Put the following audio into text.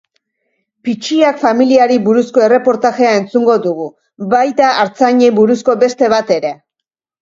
Pitxiak familiari buruzko erreportajea entzungo dugu, baita artzainei buruzko beste bat ere.